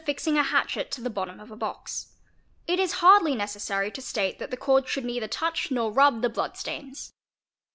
fixing a hatchet to the bottom of a box. It is hardly necessary to state that the cords should neither touch nor rub the blood stains.